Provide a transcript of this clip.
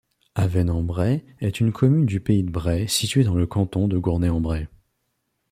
Avesnes-en-Bray est une commune du pays de Bray située dans le canton de Gournay-en-Bray.